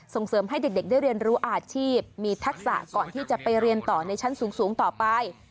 ส่งเสริมให้เด็กได้เรียนรู้อาชีพมีทักษะก่อนที่จะไปเรียนต่อในชั้นสูงต่อไป